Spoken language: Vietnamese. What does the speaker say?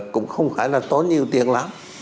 cũng không phải là tốn nhiều tiền lắm